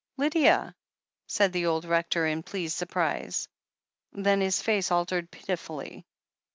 "Lydia !" said the old Rector in pleased surprise. Then his face altered pitifully.